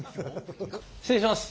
失礼します。